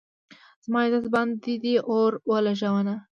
زما عزت باندې دې اور ولږاونه